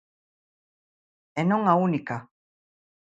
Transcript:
E non a única.